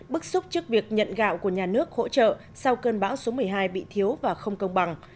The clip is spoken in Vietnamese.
bức xúc trước việc nhận gạo của nhà nước hỗ trợ sau cơn bão số một mươi hai bị thiếu và không công bằng